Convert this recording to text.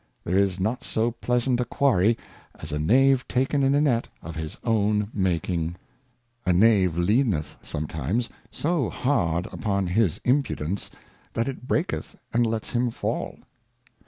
There is not so pleasant a Quarry, as a Knave taken in a Net of his oven making. A Knave leaneth sometimes so hard upon his Impudence, that it breaketh and lets him fall.